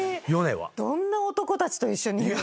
どんな男たちと一緒に。